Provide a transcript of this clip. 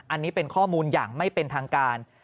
อันนี้เป็นข้อมูลอย่างไม่เป็นทางการ